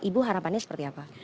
ibu harapannya seperti apa